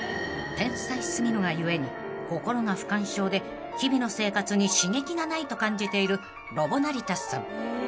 ［天才過ぎるが故に心が不感症で日々の生活に刺激がないと感じているロボ成田さん］